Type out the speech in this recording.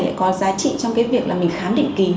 sẽ có giá trị trong cái việc là mình khám định kỳ